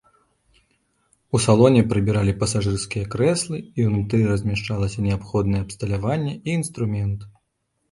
У салоне прыбіралі пасажырскія крэслы і ўнутры размяшчалася неабходнае абсталяванне і інструмент.